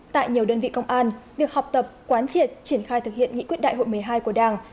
tại nhiều đơn vị công an việc học tập quán triệt triển khai thực hiện nghị quyết đại hội một mươi hai của đảng